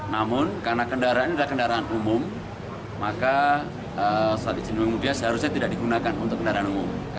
namun karena kendaraan ini adalah kendaraan umum maka status izin kemudian seharusnya tidak digunakan untuk kendaraan umum